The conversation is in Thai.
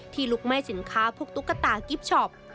ลุกไหม้สินค้าพวกตุ๊กตากิฟต์ช็อป